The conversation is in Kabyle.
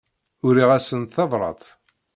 Uriɣ-asent tabrat.